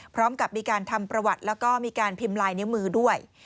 พร้อมกับมีการทำประวัติแล้วก็มีการพิมพ์ลายนิ้วมือด้วย